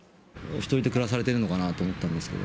１人で暮らされているのかなと思ったんですけど。